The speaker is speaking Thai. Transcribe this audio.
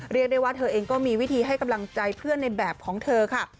เรียกได้ว่าเธอเองก็มีวิธีให้กำลังใจเพื่อนในแบบของเธอค่ะ